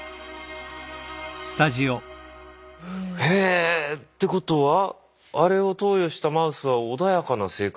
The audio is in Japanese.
へぇ。ってことはあれを投与したマウスは穏やかな性格に変わった？